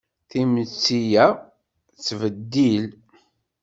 Timetti a tettbeddil.